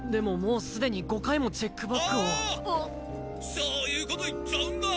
そういうこと言っちゃうんだ？